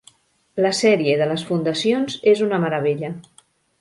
La sèrie de les Fundacions és una meravella.